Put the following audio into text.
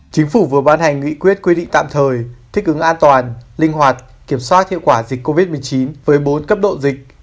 chính phủ vừa ban hành nghị quyết quy định tạm thời thích ứng an toàn linh hoạt kiểm soát hiệu quả dịch covid một mươi chín với bốn cấp độ dịch